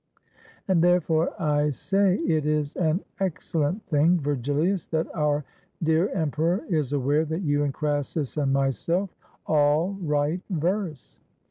And therefore I say it is an excellent thing, Vergilius, that our dear emperor is aware that you and Crassus and myself all write verse.